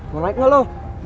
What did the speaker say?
mau naik gak lo